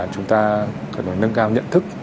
chúng ta cần phải nâng cao nhận thức